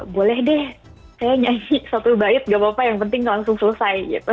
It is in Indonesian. boleh deh saya nyanyi satu bait nggak apa apa yang penting nanti selesai